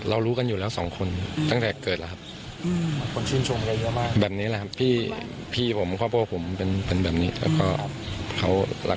เรารู้กันอยู่แล้วทางกลัวสองคนตั้งแต่เกิดครับ